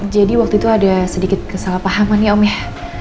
jadi waktu itu ada sedikit kesalahpahaman ya om ya